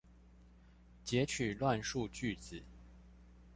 擷取亂數句子